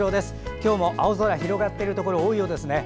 今日も青空が広がっているところ多いようですね。